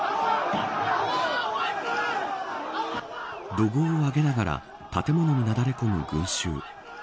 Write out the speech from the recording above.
怒号を上げながら建物になだれ込む群衆。